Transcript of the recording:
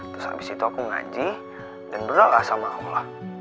terus abis itu aku ngaji dan berdoalah sama allah